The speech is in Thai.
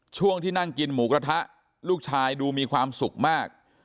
ช่วงที่นั่งกินหมูกระทะลูกชายดูมีความสุขมาก